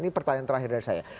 ini pertanyaan terakhir dari saya